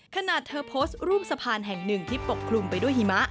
ขณะเธอโพสต์รูปสะพานแห่งหนึ่งที่ปกคลุมไปด้วยหิมะ